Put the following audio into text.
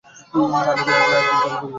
আমি দেখছি তুমি ওখানে যেতে চাও।